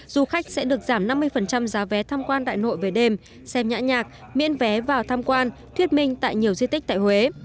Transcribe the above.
du khách sẽ được giảm năm mươi giá vé tham quan đại nội về đêm xem nhã nhạc miễn vé vào tham quan thuyết minh tại nhiều di tích tại huế